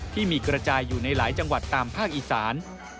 ที่มีกระจายอยู่ในหลายจังหวัดตามภาคอีสาน